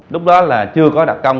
lúc đó là chưa có đặc công